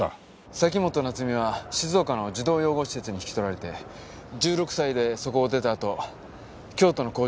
崎本菜津美は静岡の児童養護施設に引き取られて１６歳でそこを出たあと京都の工場に就職していました。